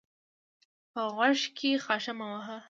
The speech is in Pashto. په غوږ کښي خاشه مه وهه!